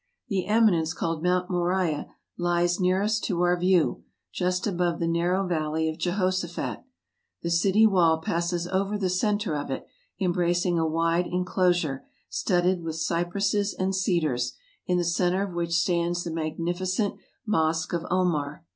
The eminence called Mount Moriah lies nearest to our view, just above the narrow Valley of Jehoshaphat. The city wall passes over the center of it, embracing a wide en closure, studded with cypresses and cedars, in the center of which stands the magnificent Mosque of Omar.